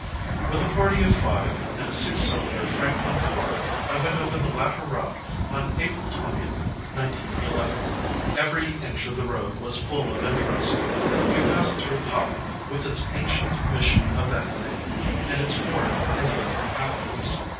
With a party of five in a six cylinder Franklin car, I went over the latter route on April 20th, 1911. Every inch of the road was full of interest. We passed through Pala, with its ancient mission of that name, and its horde of Indian inhabitants.